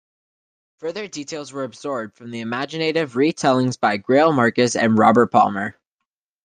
Further details were absorbed from the imaginative retellings by Greil Marcus and Robert Palmer.